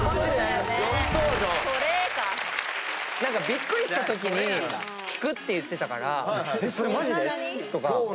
びっくりしたときに聞くって言ってたから「それまじで？」とか。